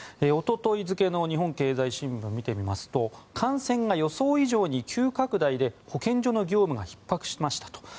おととい付の日本経済新聞を見てみますと感染が予想以上に急拡大で保健所の業務がひっ迫しましたと。